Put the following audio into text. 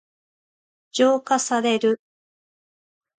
浄化される。